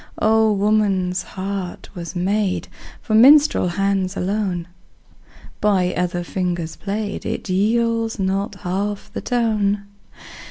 Oh! woman's heart was made For minstrel hands alone; By other fingers played, It yields not half the tone.